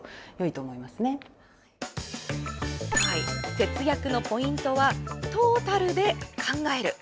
節約のポイントはトータルで考える。